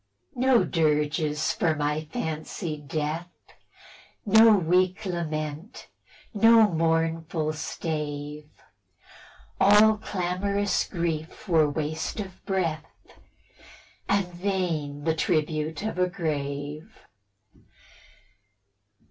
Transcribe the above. No dirges for my fancied death; No weak lament, no mournful stave; All clamorous grief were waste of breath, And vain the tribute of o grave.